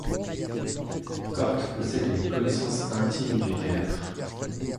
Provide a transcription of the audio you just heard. Korte possède une connaissance intime du théâtre.